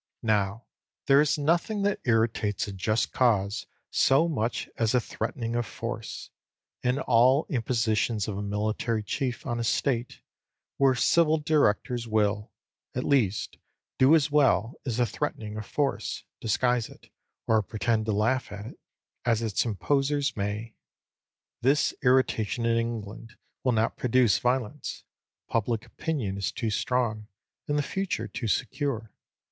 Now, there is nothing that irritates a just cause so much as a threatening of force; and all impositions of a military chief on a state, where civil directors will, at least, do as well, is a threatening of force, disguise it, or pretend to laugh at it, as its imposers may. This irritation in England will not produce violence. Public opinion is too strong, and the future too secure.